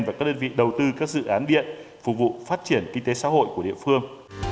và các đơn vị đầu tư các dự án điện phục vụ phát triển kinh tế xã hội của địa phương